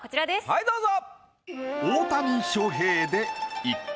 はいどうぞ。